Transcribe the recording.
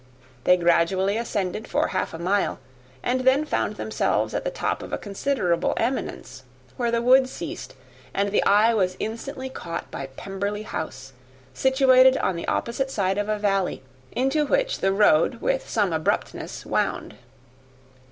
They gradually ascended for half a mile, and then found themselves at the top of a considerable eminence, where the wood ceased, and the eye was instantly caught by Pemberley House, situated on the opposite side of the valley, into which the road with some abruptness wound.